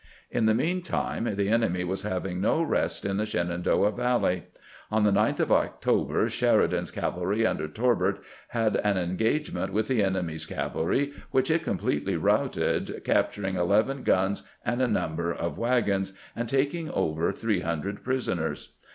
In the mean time the enemy was having no rest in the Shenandoah Valley. On the 9th of October, Sheridan's cavalry, under Torb'ert, had an engagement with the enemy's cavalry, which it completely routed, capturing eleven guns and a number of wagons, and taking over three hundred prisoners.